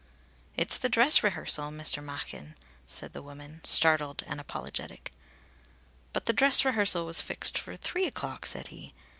"It's the dress rehearsal, Mr. Machin," said the woman, startled and apologetic. "But the dress rehearsal was fixed for three o'clock," said he.